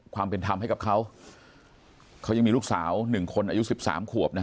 ความเป็นธรรมให้กับเขาอยู่ลูกสาว๑คนอายุ๑๓ควบ